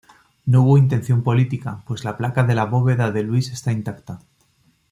No hubo intención política, pues la placa de la bóveda de Luis está intacta.